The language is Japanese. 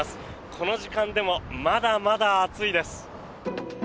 この時間でもまだまだ暑いです。